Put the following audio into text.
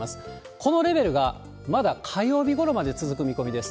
このレベルがまだ火曜日ごろまで続く見込みです。